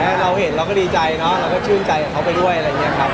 ถ้าเราเห็นเราก็ดีใจเนอะเราก็ชื่นใจกับเขาไปด้วยอะไรอย่างนี้ครับ